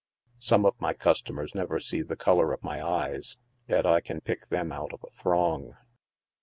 Some of my customers never see the color of my eyes, yet I can pick them out of a throng.